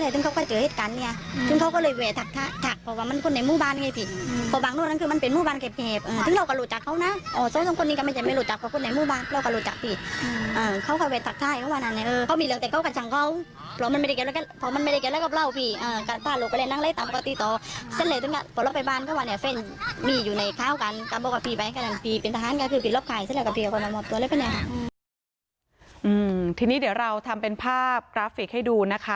ทีนี้เดี๋ยวเราทำเป็นภาพกราฟิกให้ดูนะคะ